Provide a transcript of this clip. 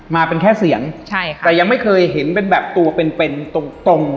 มาเป็นแค่เสียงแต่ยังไม่เคยเห็นเป็นแบบตัวเป็นตรง